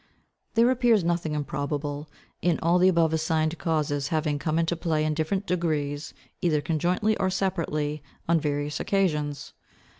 There appears nothing improbable in all the above assigned causes having come into play in different degrees, either conjointly or separately, on various occasions.